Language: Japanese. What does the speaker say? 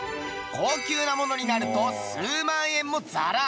高級なものになると数万円もザラ。